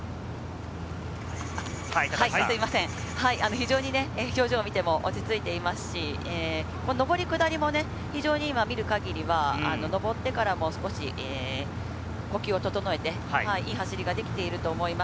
非常に表情を見ても落ち着いていますし、上り、下りも非常に見る限りは上ってからも少し呼吸を整えて、いい走りができていると思います。